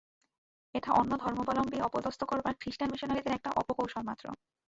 এটা অন্য ধর্মাবলম্বীকে অপদস্থ করবার খ্রীষ্টান মিশনরীদের একটা অপকৌশলমাত্র।